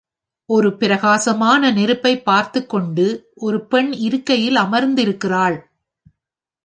ஒரு பிரகாசமான நெருப்பை பார்த்துக் கொண்டு, ஒரு பெண் இருக்கையில் அமர்ந்திருக்கிறாள்.